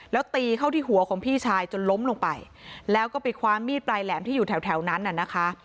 แล้วตีเข้าที่หัวของพี่ชายจนล้มลงไปแล้วก็ไปคว้ามีดปลายแหลมที่อยู่แถวแถวนั้นน่ะนะคะ